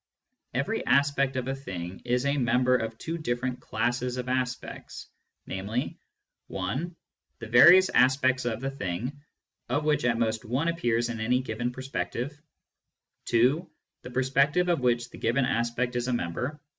Every aspect of a thing is a member of two different classes of aspects, namely : (i) the various aspects of the thing, of which at most one appears in any given per spective ; (2) the perspective of which the given aspect is a member, ue.